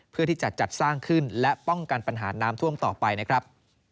เพื่อที่จะจัดสร้างขึ้นและป้องกันปัญหาน้ำท่วมต่อไปนะครับ